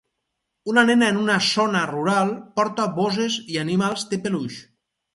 Una nena en una zona rural porta bosses i animals de peluix.